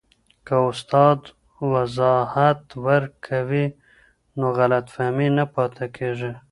که استاد وضاحت ورکوي نو غلط فهمي نه پاته کېږي.